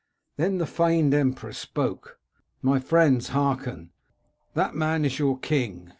Then the feigned emperor spoke :—* My friends, hearken ! That man is your king.